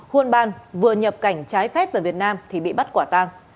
huôn ban vừa nhập cảnh trái phép về việt nam thì bị bắt quả tang